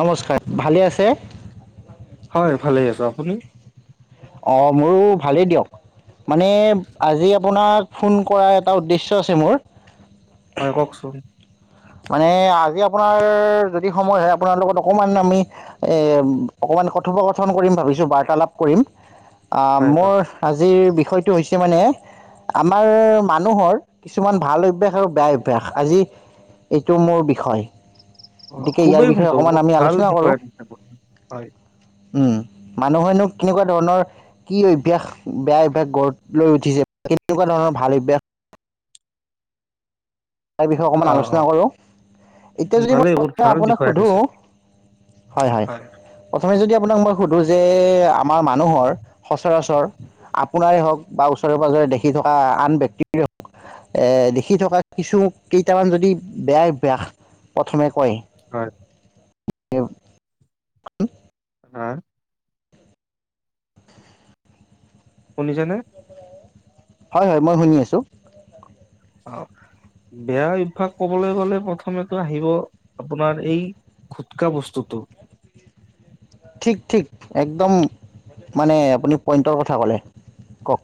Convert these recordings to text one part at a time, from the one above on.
নমস্কাৰ! ভালে আছে? হয়, ভালে আছো। আপুনি? অঁ মোৰো ভালেই দিয়ক, মানে আজি আপোনাক ফোন কৰাৰ এটা উদ্দেশ্য আছে মোৰ হয়, কওকচোন। মানে আজি আপোনাৰ যদি সময় হয়, আপোনাৰ লগত অকমান আমি, এ অকমান কথোপকথন কৰিম ভাবিছো বাৰ্তালাপ কৰিম। অ'‌ হয়, মোৰ হয়। আজিৰ বিষয়টো হৈছে মানে, আমাৰ মানুহৰ কিছুমান ভাল অভ্যাস আৰু বেয়া অভ্যাস। আজি এইটো মোৰ বিষয়। অ' গতিকে ইয়াৰ খুবেই বিষয়ে সুন্দৰ, অকণমান বহুত আমি ভাল আলোচনা বিষয় হিচাপত, হয়। ওম মানুহেনোঁ কেনেকুৱা ধৰণৰ কি অভ্যাস বেয়া অভ্যাস গঢ় লৈ উঠিছে, কেনেকুৱা ধৰণৰ ভাল অভ্যাস তাৰ বিষয়ে অ, অকণমান অ, আলোচনা কৰোঁ। এতিয়া যদি মই ভালেই বহুত প্ৰথমে ভাল আপোনাক বিষয় সোধোঁ আনিছে। হয় হয় প্ৰথমে যদি আপুনি আপোনালোকক সোধোঁ যে আমাৰ মানুৰ সচৰাচৰ আপোনাৰে হওক বা ওচৰে-পাজৰে দেখি থকা আন ব্যক্তিপীৰ এ দেখি থকা কিছু কেইটামান যদি বেয়া অভ্যাস প্ৰথমে কয়। হয় । [unintelligible] [unintelligible] আৰ শুনিছানে? হয় হয় মই শুনি আছোঁ। অ বেয়া অভ্যয়াস ক'বলৈ গলে প্ৰথমে আহিব আপোনাৰ এই খুটকা বস্তুটো ঠিক ঠিক একদম মানে আপুনি পইণ্টৰ কথা ক'লে, কওক।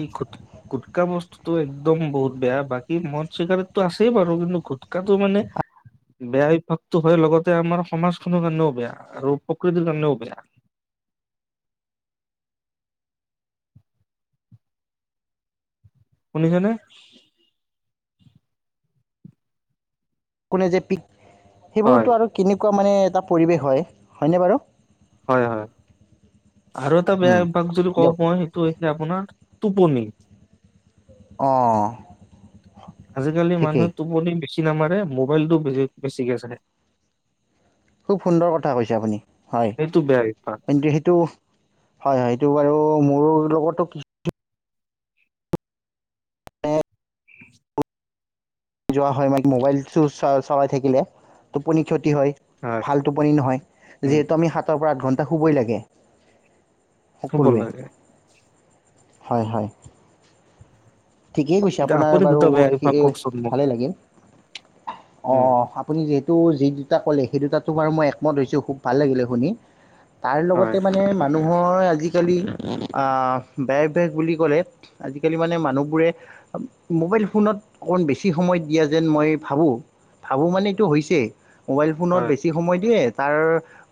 এই গোট গোটকা বস্তুটো একদম বহুত বেয়া, বাকী মদ চিগাৰেতটো আছেই বাৰু কিন্তু গুটকাটো মানে বেয়া অভ্যাসটো হয় লগতে আমাৰ সমাজখনৰ কাৰণেও বেয়া আৰু প্ৰকৃতিৰ কাৰণেও বেয়া । শুনিছানে? কোনে যে পিক হয়, সেইবোৰতো আৰু কিনিব এনেকোৱা মানে এটা পৰিৱেশ হয়, হয়নে বাৰু। হয় হয় আৰু এটা বেয়া উম, অভ্যাস যদি কওঁ দিয়ক মই সেইটো হৈছে আপোনাৰ টোপনি। অঁ আজি-কালি ঠিকেই মানুহৰ টোপনি বেছি। তিন নম্বৰে মোবাইলটো বেছিকৈ চায় । খুব সুন্দৰ কথা কৈছে আপুনি। সেইটো বেয়া অভ্যাস হয় যিহেতু হয় হয়, এইটো বাৰু মোৰ লগতো কিছু এ যোৱা হয় মানে মোবাইলটো চো চা চলাই থাকিলে টোপনি ক্ষতি ক্ষতি হয়, ভাল টোপনি নহয়। উম যিহেতু আমি হাতৰ পৰা আঠঁ ঘণ্টা টা শুবই লাগে। শুব সকলোৱে লাগে । হয় হয় । ঠিকেই কৈছে, এতিয়া আপোনাৰ আপুনি বাৰু দুটা বেয়া সি অভ্যাস এ কওকচোন মোক ভালে লাগিল অ উম আপুনি যিহেতু যি দুটা ক'লে, সেই দুটা তোমাৰ মই একমত দৈছো খুব ভাল লাগিলে শুনি । তাৰ হয় লগতে মানে মানুহৰ আজি-কালি আঁ বেয়া অভ্যাস বুলি ক'লে, আজি-কালি মানে মানুহ বোৰে মোবাইল ফোনত অকণমান বেছি সময় দিয়া যেন মই ভাবোঁ, ভাবোঁ মানে এইটো হৈছে। মোবাইল ফোনত হয় বেছি সময় দিয়ে। তাৰ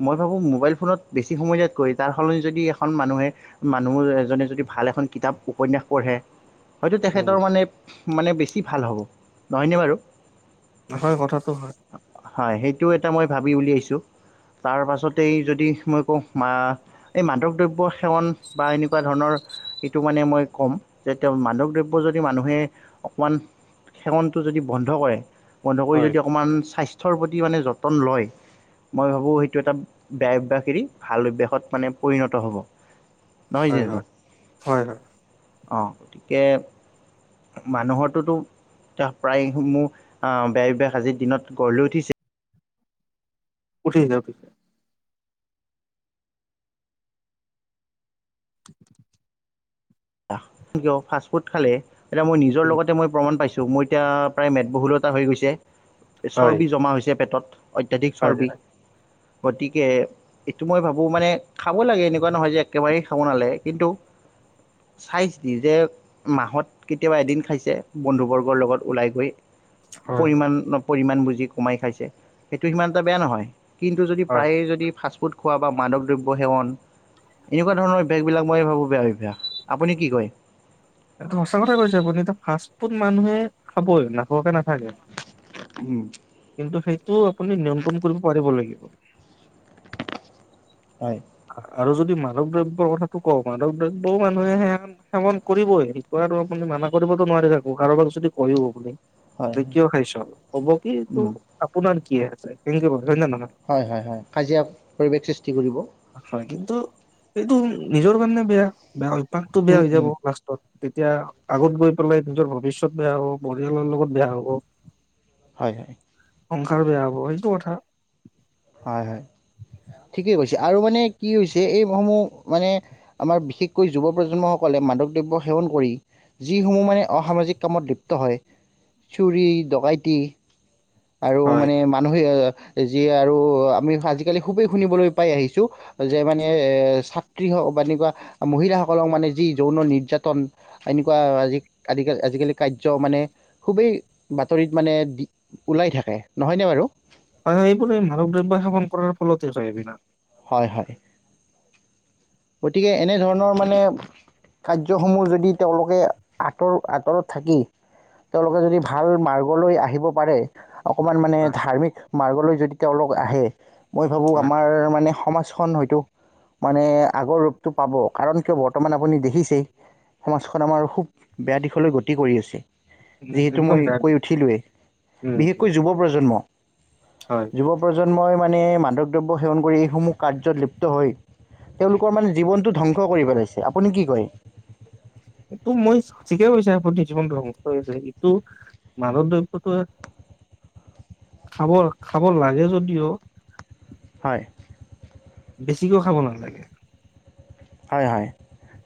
মই ভাবোঁ মোবাইল ফোনত বেছি সময় দিয়াতকৈ তাৰ সলনি যদি এখন মানুহে মানুহ এজনে যদি ভাল এখন কিতাপ উপন্যাস পঢ়ে। হয়তো উম তেখেতৰ মানে, মানে বেছি ভাল হ'ব নহয়নে বাৰু? হয় কথাটো হয় হয় সেইটোও এটা মই ভাবি উলিয়াইছোঁ তাৰ পাছতেই যদি মই কও মা এই মাদক দ্ৰব্য সেৱন বা এনেকুৱা ধৰণৰ এইটো মানে মই ক'ম যে তেওঁ মাদক দ্ৰব্য যদি মানুহে অকণমান সেৱনটো যদি বন্ধ কৰে বন্ধ কৰি হয় যদি অকণমান স্বাস্থ্য প্ৰতি মানে যতন লয় মই ভাবোঁ সেইটো এটা বেয়া অভ্যাস এৰি ভাল অভ্যাসত মানে পৰিণত হ'ব। হয় হয় হয় হয় অ গতিকে মানুহৰটোতো প্ৰায়সমূহ আ বেয়া অভ্যাস আজিৰ দিনত গঢ় লৈ উঠিছে। উঠিছে উঠিছে [inaudible] কিয় ফাষ্টফুড খালে এতিয়া মই নিজৰ উম লগতে মই প্ৰমাণ পাইছো ত' মোৰ এতিয়া প্ৰায় মেদবহুল এটা হৈ গৈছে হয় চৰ্বি জমা হৈছে পেটত অত্যাধিক হয় চৰ্বি গতিকে এইটো মই ভাবোঁ মানে খাব লাগে এনেকুৱা নহয় যে একেবাৰেই খাব নালাগে কিন্তু চাই চিটি যে মাহত কেতিয়াবা এদিন খাইছে বন্ধুবৰ্গৰ লগত ওলাই গৈ হয় পৰিমাণ পৰিমাণ বুজি কমাই খাইছে সেইটো সিমান এটা বেয়া নহয়। কিন্তু যদি হয় প্ৰায়ে যদি ফাষ্টফুড খোৱা বা মাদক দ্ৰব্য সেৱন এনেকুৱা ধৰণৰ অভ্যাসবিলাক মই ভাবো বেয়া অভ্যাস। আপুনি কি কয় এইটো সঁচা কথা কৈছে আপুনি এ ফাষ্টফুড মানুহে খাবই নাখোৱাকে নাথাকে। উম কিন্তু সেইটো আপুনি নিয়ন্ত্ৰণ কৰিব পাৰিব লাগিব হয় আৰু যদি মাদক দ্ৰব্যৰ কথাটো কওঁ মাদক দ্ৰব্যও মানুহে সেৱন কৰিবই সেইটো আৰু আপুনি মানা কৰিবতো নোৱাৰি থাকো কাৰোবাক যদি কৈয়ো হয় ত কিয় খাইছ ক'ব কি ত উম আপোনাৰ কি আছে হয় নে নহয় হয় হয় হয় কাজিয়া পৰিৱেশ সৃষ্টি কৰিব। হয় কিন্তু এইটো নিজৰ কাৰণে বেয়া বেয়া পাকটো বেয়া উম হৈ উম যাব লাষ্টত। তেতিয়া আগত গৈ পেলাই নিজৰ ভৱিষয়ত বেয়া হ'ব পৰিয়ালৰ লগত বেয়া হ'ব হয় হয় সংসাৰ বেয়া হ'ব সেইটো কথা। হয় হয় ঠিকেই কৈছে আৰু মানে কি হৈছে এইসমূহ মানে আমাৰ বিশেষকৈ যুৱ প্ৰজন্মসকলে মাদক দ্ৰব্য সেৱন কৰি যিসমূহ মানে অসামাজিক কামত লিপ্ত হয় চুৰী ডকাইতি আৰু হয় মানে মানুহে যিয়ে আৰু আমি আজিকালি খুবেই শুনিবলৈ পাই আহিছো যে মানে এ ছাত্ৰী বা এনেকোৱা মহিলাসকলক মানে যি যৌন নিৰ্যাতন এনেকোৱা আজি আজিকালি কাৰ্য মানে খুবেই বাতৰিত মানে ওলাই থাকে নহয়নে বাৰু হয় হয় এইবোৰ মানৱ দ্ৰব্য সেৱন কৰাৰ ফলতেই হয় এইবিলাক হয় হয় গতিকে এনেধৰণৰ মানে কাৰ্যসমূহ যদি তেওঁলোকে আঁতৰ আঁতৰত থাকি তেওঁলোকে যদি ভাল মাৰ্গলৈ আহিব পাৰে অকমান মানে হয় ধাৰ্মিক মাৰ্গলৈ যদি তেওঁলোক আহে মই ভাবো হয় আমাৰ মানে সমাজ খন হয়তো মানে আগৰ ৰূপটো পাব কাৰণ কিয় বৰ্তমান আপুনি দেখিছেই সমাজখন আমাৰ খুব বেয়া দিশলৈ গতি কৰি আছে উম যিহেতু একদম মই বেয়া কৈ উঠিলোৱেই উম উম বিশেষকৈ যুৱ প্ৰজন্ম হয় যুৱ প্ৰযন মই মানে মাদক দ্ৰব্য সেৱন কৰি এইসমূহ কাৰ্যত লিপ্ত হৈ তেওঁলোকৰ মানে জীৱনটো ধ্বংস কৰি পেলাইছে আপুনি কি কয়? এইটো মই ঠিকে কৈছা পৃথিৱীখন জীৱন ধংস হৈছে ইটো মাদক দ্ৰব্যটো খাবৰ খাব লাগে যদিও হয় বেছিকেও খাব নালাগে হয় হয়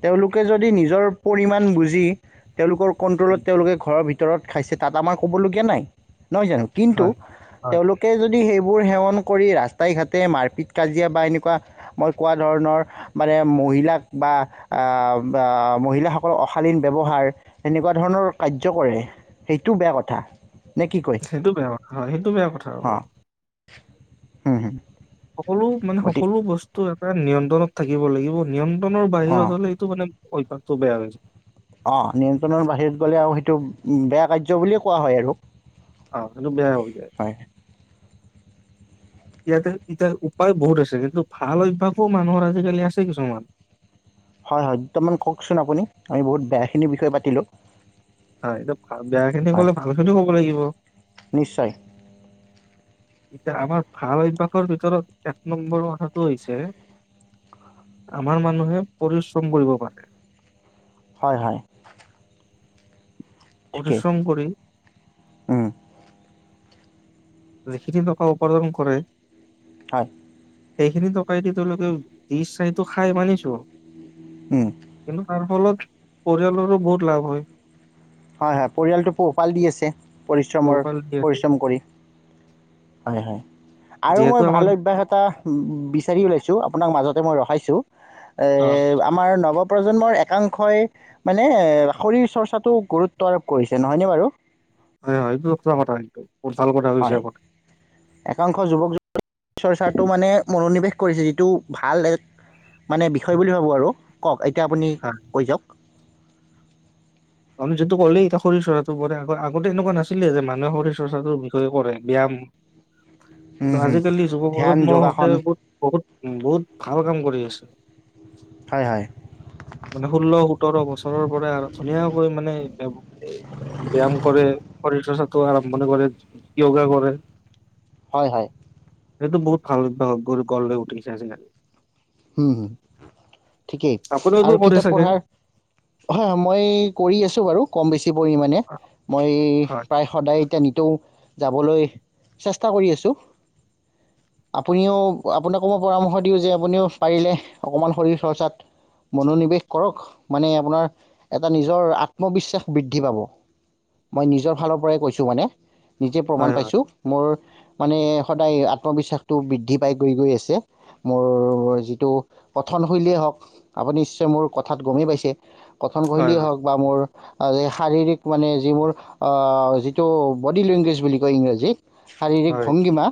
তেওঁলোকে যদি নিজৰ পৰিমাণ বুজি তেওঁলোকৰ কণ্ট্ৰলত তেওঁলোকে ঘৰৰ ভিতৰত ভিতৰত খাইছে তাত আমাৰ ক'বলগীয়া নাই নহয় জানো কিন্তু হয়। হয়। তেওঁলোকে যদি সেই বোৰ সেৱন কৰি ৰাস্তাই ঘাটে মাৰ পিট কাজিয়া বা মই কোৱা ধৰনৰ মানে মহিলাক বা আ বা মহিলাসকলৰ অশালীন ব্যৱহাৰ সেনেকোৱা ধৰণৰ কাৰ্য কৰে সেইটো বেয়া কথা সেইটো বেয়া কথা হয় সেইটো বেয়া কথা হ'ব। সহ হম হম সকলো মানে সকলো বস্তুৱে নিয়ন্ত্ৰণত থাকিব লাগিব নিয়ন ন্ত্ৰণৰ বাহিৰত অঁ হলে এইটো মানে অভ্যাস তুবে হয়ইচ অ নিয়ন্ত্ৰণৰ বাহিৰত গ'লে আৰু সেইটো উ বেয়া কাৰ্য বুলিয়ে কোৱা হয় আৰু অহ এইটো বেয়া অভিকায় হয় ইয়াতে ইতিয়া উপায় বহুত আছে কিন্তু ভাল অভ্যাসো মানুহৰ আজিকালি আছে কিছুমান হয় হয় দুটামান কওকচোন আপুনি আমি বহুত বেয়াখিনি বিষয়ে পাতিলোঁ হয় এইটো বেয়া খিনি হয় কলে ভাল খিনিও কব লাগিব। নিশ্চয় এতিয়া আমাৰ ভাল অভ্যাসৰ ভিতৰত এক নম্বৰ কথাটো হৈছে আমাৰ মানুহে পৰিশ্ৰম কৰিব পাৰে। হয় হয় ঠিকেই পৰিশ্ৰম কৰি উম, যিখিনি টকা উপাৰ্জন কৰে সাত সেইখিনি টকায় দি তেওঁলোকে দী চাই টো খাই মানিছো উম, কিনো তাৰ ফলত পৰিয়ালৰো বহুত লাভ হয় হয় হয় পৰিয়ালটো পোহপাল দি আছে পৰিশ্ৰমৰ পোহপাল দিয়ে পৰিশ্ৰম কৰি হয় হয় আৰু যিহেতু মই ভাল আমাৰ অভ্যাস এটা বিচাৰি ওলাইছোঁ আপোনাক মাজতে মই ৰখাইছোঁ এ হয় আমাৰ নৱ প্ৰজন্মৰ একাংশই মানে এ শৰীৰ চৰ্চাটো গুৰুত্ব আৰোপ কৰিছে নহয়নে বাৰু হয় হয় গ্ৰুপটো আমাৰ সেইটো হয় একাংশ যুৱক চৰ্চাটো মানে মনোনিৱেশ কৰিছে যিটো ভাল এক মানে বিষয় বুলি ভাবোঁ আৰু কওক এতিয়া আপুনি হয় কৈ যাওক আপুনি যিটো ক'লেই এতিয়া শৰীৰ চৰ্চাটো পৰে আগতে এনেকুৱা নাছিলে যে মানুহে শৰীৰ চৰ্চাটোৰ বিষয়ে কৰে ব্যায়াম হুম কিন্তু হুম আজিকালি যুৱ ধ্যান প্ৰজন্মৰ সতে যোগাসন বহুত বহুত উ বহুত ভাল কাম কৰি আছো হয় হয় মানে ষোল্ল সোতৰ বছৰৰ পৰা ধুনীয়াকৈ মানে ব্যায়াম কৰে শৰীৰ চৰ্চাটো আৰম্ভণ কৰে এয়োগা কৰে হয় হয় সেইটো বহুত ভাল বহুত ভাল অভায়াস গঢ় লৈ উঠিছে আজিকালি হুম হুম ঠিকেই আপুনিওতো আৰু কৰে কিতাপ চাগে পঢ়াৰ হয় হয় মই কৰি আছো বাৰু কম বেছি পৰিমাণে মই হয় তাই সদায় এতিয়া তেওঁ যাবলৈ চেষ্টা কৰি আছোঁ আপুনিও আপোনাকো মই পৰামৰ্শ দিওঁ যে আপুনিও পাৰিলে অকমান শৰীৰ চৰ্চাত চৰ্চাত মনোনিৱেশ কৰক মানে আপোনাৰ এটা নিজৰ আত্মবিশ্বাস বৃদ্ধি পাব মই নিজৰ ফালৰ পৰাই কৈছোঁ মানে। নিজে প্ৰমাণ হয় পাইছোঁ মোৰ মানে সদায় আত্মবিশ্বাসটো বৃদ্ধি পাই গৈ-গৈ আছে মোৰ এইটো কঠনশৈলীয়ে হওক, আপুনি নিশ্চয় মোৰ কথাত গমেই পাইছে। হয় হয় কথনশৈলীয়ে হয় হওক বা মোৰ শাৰীৰিক মানে যিবোৰ অ যিটো বডি লেংগুৱেজ বুলি কয় ইংৰাজী। শাৰীৰিক হয় ভংগীমা,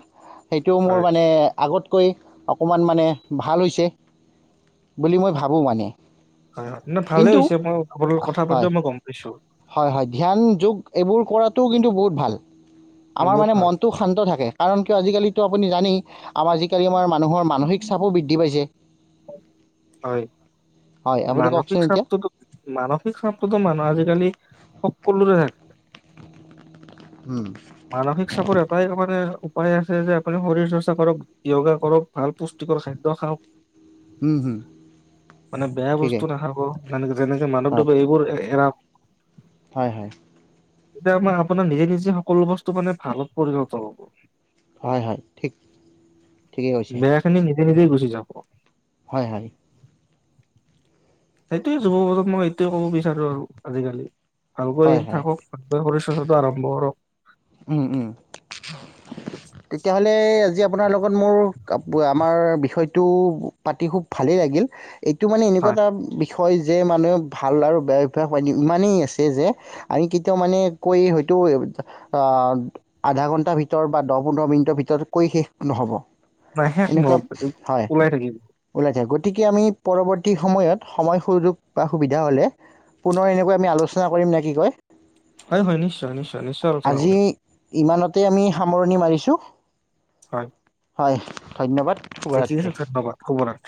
সেইটোও মোৰ মানে আগত অই অকমান মানে ভাল তে বুলি মই ভাবোঁ মানে। হয়-হয় ন ভালে কিন্তু হৈছে, ম‌ই সকলোৰে লগত কথা হয় পাতোতে মই গম পাইছোঁ। হয় হয় ধ্যান, যোগ এইবোৰ কৰাটোও কিন্তু বহুত ভাল। আমাৰ বহুত মানে ভাল মনটো শান্ত থাকে, কাৰণ কিয় আজিকালিটো আপুনি জানেই আমাৰ আজিকালি আমাৰ মানুহৰ মানসিক চাপো বৃদ্ধি পাইছে। হয় হয় । আপুনি কওকচোন মানসিক এতিয়া স্বাৰ্থটো, মানসিক স্বাৰ্থটো মানুহ আজিকালি সকলোৰে উম! মানসিক চাপৰ এটাই মানে উপায় আছে যে আপুনি শৰীৰ চৰ্চা কৰক, য়গা কৰক, ভাল পুষ্টিকৰ খাদ্য খাওক। হুম হুম মানে বেয়া ঠিকেই বস্তু নাখাব। [unintelligible] যেনেকে মানৱদেৱৰ এইবোৰ এৰা। হয়-হয়। এতিয়া আমাৰ আপোনাৰ নিজে-নিজে সকলো বস্তু মানে ভালত পৰিণত হ'ব। হয়-হয় ঠিক। ঠিকেই বেয়াখিনি নি নিজে-নিজেই গুচি যাব। হয়-হয়। সেইটোৱেই যুৱপ্ৰজন্মক এইটোৱেই কব বিচাৰোঁ আৰু আজিকালি। ভালকৈ হয় থাকক, ভালকৈ শৰীৰ চৰ্চাটো আৰম্ভ কৰক। উম-উম তেতিয়া হ'লে আজি - আপোনাৰ লগত মোৰ আমাৰ বিষয়টো পাতি খুব ভালো লাগে। এইটো মানে এনেকুৱা হয় এটা বিষয় হয় যে মানুহে ভাল আৰু বেয়া অভ্যাস হয় ইমানেই আছে যে আমি কেতিয়াও মানে কৈ হয়তো আ আধা ঘণ্টাৰ ভিতৰত বা দহ পোন্ধৰ মিনিটৰ ভিতৰত কৈ শেষ নহ'ব। নাই শেষ এনেকুৱা নহ'ব, হয় ওলাই থাকিব। ওলাই থাকিব । গতিকে আমি পৰৱৰ্তী সময়ত সময় সুযোগ বা সুবিধা হ'লে পুনৰ এনেকৈ আমি আলোচনা কৰিম নে কি কয়? হয়-হয় নিশ্চয়-নিশ্চয়-নিশ্চয় - তাকেই আমি সামৰণি মাৰিছোঁ। হয়। হয় ধন্যবাদ। দেখিছে শুভৰাত্ৰি আছে ধন্যবাদ শুভৰাত্ৰি।